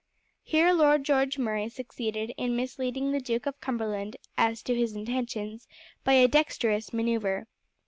Here Lord George Murray succeeded in misleading the Duke of Cumberland as to his intentions by a dexterous manoeuvre.